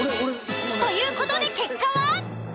という事で結果は？